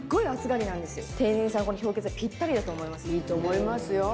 いいと思いますよ。